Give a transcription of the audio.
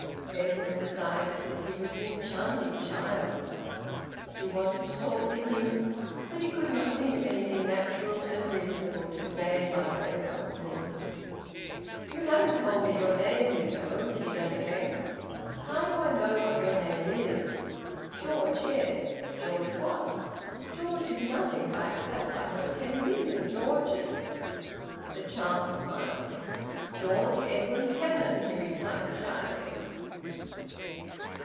Edwin decided that he was an enchanting child. He wanted to talk to him, but he could not think of anything natural and reasonable to say by way of opening. "You haven't told me your name, you know," he began at length. "How do I know what your name is? George, yes but George what? George is nothing by itself, I know ten million Georges." The child smiled. "George Edwin Cannon," he replied shyly.